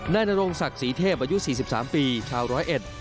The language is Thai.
ในหน้าโรงศักดิ์สีเทพอายุสี่สิบสามปีชาวร้อยเอ็ด